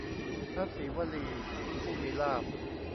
พระสีวลี ผู้มีลาภ